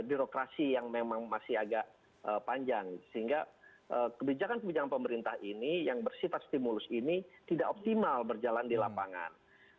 birokrasi yang memang masih agak panjang sehingga kebijakan kebijakan pemerintah ini yang bersifat stimulus ini tidak optimal berjalan di lapangan